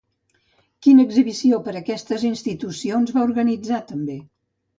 Quina exhibició per aquestes institucions va organitzar també?